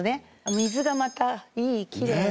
水がまたいいきれいな。